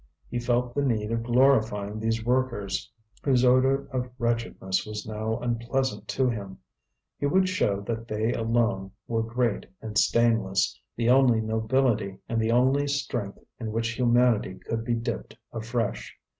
He felt the need of glorifying these workers, whose odour of wretchedness was now unpleasant to him; he would show that they alone were great and stainless, the only nobility and the only strength in which humanity could be dipped afresh.